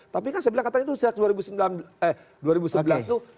tapi kan saya bilang katakan itu sejak dua ribu sebelas itu